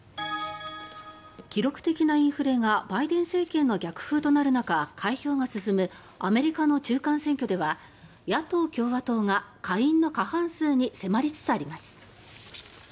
記録的なインフレがバイデン政権の逆風となる中開票が進むアメリカの中間選挙では野党・共和党が下院の過半数に迫りつつあります。